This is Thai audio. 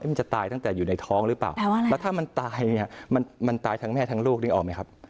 มันจะตายตั้งแต่อยู่ในท้องหรือเปล่าแล้วถ้ามันตายเนี่ยมันตายทั้งแม่ทั้งลูกนึกออกไหมครับ